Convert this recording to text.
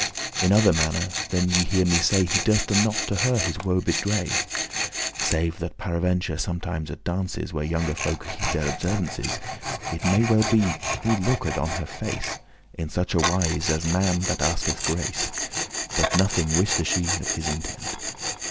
In other manner than ye hear me say, He durste not to her his woe bewray, Save that paraventure sometimes at dances, Where younge folke keep their observances, It may well be he looked on her face In such a wise, as man that asketh grace, But nothing wiste she of his intent.